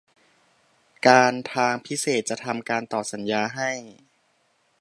การทางพิเศษจะทำการต่อสัญญาให้